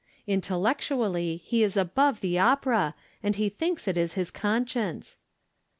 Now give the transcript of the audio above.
InteUectuallj' he is above the opera, and he thinks it is his conscience.